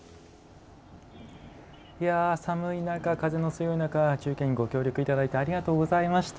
寒い中、風の強い中中継にご協力いただきありがとうございました。